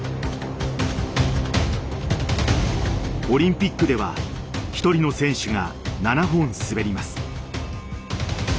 オリンピックでは１人の選手が７本滑ります。